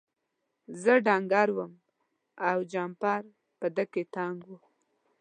زه ډنګر وم او جمپر په ده کې تنګ و.